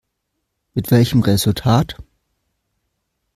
Mit welchem Resultat?